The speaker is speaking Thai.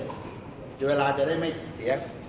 เดี๋ยวเวลาจะได้ไม่เสีย